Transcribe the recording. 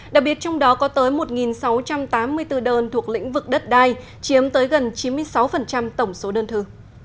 đặc biệt trong đó có tới một sáu trăm tám mươi bốn đơn thuộc lĩnh vực đất đai chiếm tới gần chín mươi sáu tổng số đơn thư